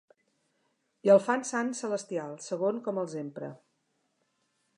I el fan sant celestial, segons com els empre.